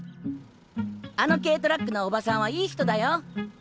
あの軽トラックのおばさんはいい人だよ。